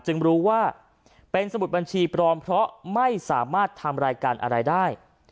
รู้ว่าเป็นสมุดบัญชีปลอมเพราะไม่สามารถทำรายการอะไรได้